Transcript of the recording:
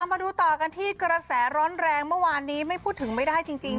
มาดูต่อกันที่กระแสร้อนแรงเมื่อวานนี้ไม่พูดถึงไม่ได้จริง